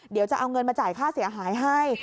เดี๋ยวจะเอาเงินมาจ่ายค่าเสียหายให้